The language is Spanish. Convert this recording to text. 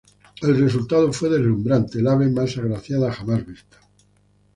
El resultado fue deslumbrante: el ave más agraciada jamás vista.